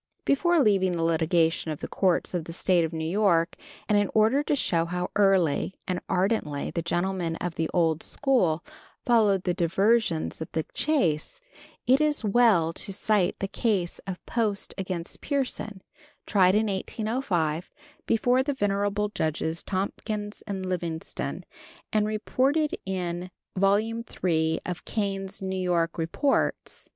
Before leaving the litigation of the courts of the State of New York, and in order to show how early and ardently the gentlemen of the old school followed the diversions of the chase, it is well to cite the case of Post against Pierson, tried in 1805 before the venerable Judges Tompkins and Livingston, and reported in 3d Cain's New York Reports.